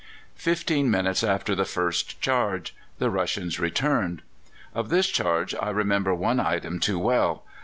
Fifteen minutes after the first charge the Russians returned. Of this charge I remember one item too well.